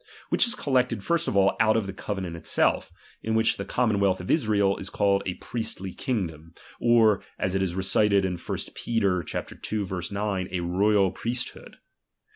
Which is collected, first of all, out of the covenant itself ; in which the common wealth of Israel is called a priestly kingdom, or, as it is recited in 1 Peter ii. 9, a royal priest hood.